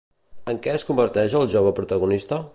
En què es converteix el jove protagonista?